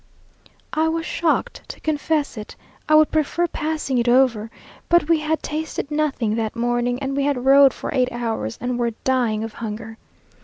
I am shocked to confess it I would prefer passing it over but we had tasted nothing that morning, and we had rode for eight hours, and were dying of hunger!